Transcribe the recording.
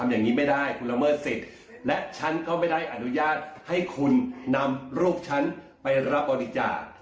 อย่างนี้ไม่ได้คุณละเมิดสิทธิ์และฉันก็ไม่ได้อนุญาตให้คุณนำรูปฉันไปรับบริจาค